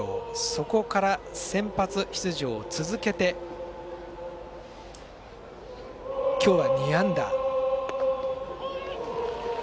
そこから先発出場、続けて今日は２安打。